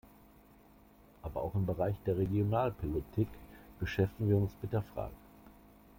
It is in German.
Aber auch im Bereich der Regionalpolitik beschäftigen wir uns mit der Frage.